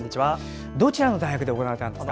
どちらの大学で行われたんですか？